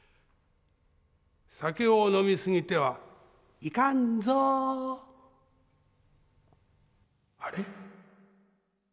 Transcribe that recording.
酒を飲みすぎてはいかんぞうあれ？